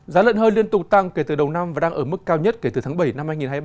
giá lợn hơi liên tục tăng kể từ đầu năm và đang ở mức cao nhất kể từ tháng bảy năm hai nghìn hai mươi ba